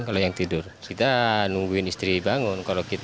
selain itu juga terlalu dekat fiturnya daftarnya untuk yakin